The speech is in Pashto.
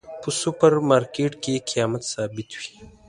په سوپر مرکیټ کې قیمت ثابته وی